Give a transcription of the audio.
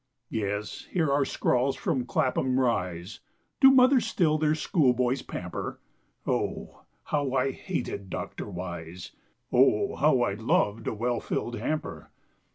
Yes, here are scrawls from Clapham Rise, Do mothers still their school boys pamper? O, how I hated Doctor Wise! O, how I lov'd a well fill'd hamper!